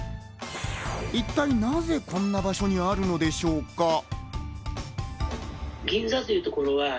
一体なぜこんな場所にあるのでしょうか。